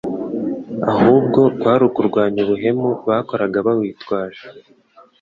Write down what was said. ahubwo kwari ukurwanya ubuhemu bakoraga bawitwaje.